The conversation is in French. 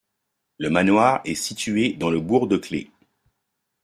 Le manoir est situé dans le bourg de Clefs.